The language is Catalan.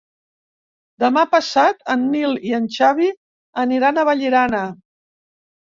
Demà passat en Nil i en Xavi aniran a Vallirana.